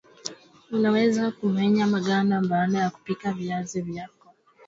unaweza kumenya maganda baada kupika viazi vyako